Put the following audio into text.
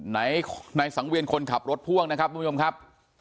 นายสังเวียนคนขับรถพ่วงนะครับมุมยมครับ